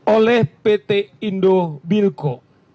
oleh pt indobilco